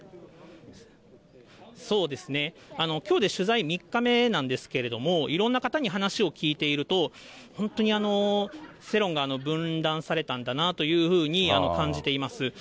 そうですね、きょうで取材３日目なんですけれども、いろんな方に話を聞いていると、本当に世論が分断されたんだなというふうに感じています。